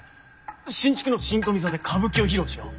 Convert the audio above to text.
新築の新富座で歌舞伎を披露しよう。